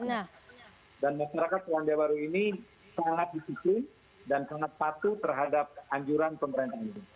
nah dan masyarakat selandia baru ini sangat disiplin dan sangat patuh terhadap anjuran pemerintah ini